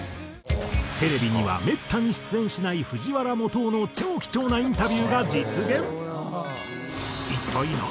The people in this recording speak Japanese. テレビにはめったに出演しない藤原基央の超貴重なインタビューが実現！